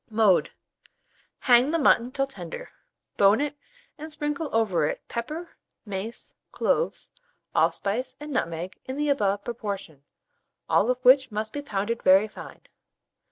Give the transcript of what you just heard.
Mode. Hang the mutton till tender, bone it, and sprinkle over it pepper, mace, cloves, allspice, and nutmeg in the above proportion, all of which must be pounded very fine.